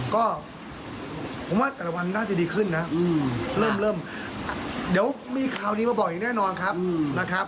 ก็ผมว่าแต่ละวันน่าจะดีขึ้นนะเริ่มเดี๋ยวมีข่าวดีมาบอกอีกแน่นอนครับนะครับ